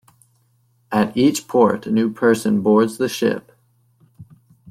At each port, a new person boards the ship.